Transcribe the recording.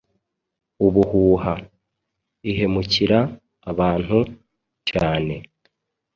ubuhuha: ihemukira abantu cyane